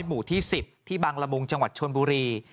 หมู่ที่๑๐ที่บังละมุงจังหวัดชนบุรี